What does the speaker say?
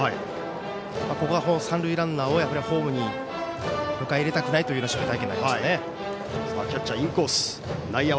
ここは三塁ランナーをホームに迎え入れたくないという守備隊形になりましたね。